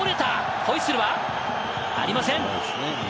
ホイッスルはありません。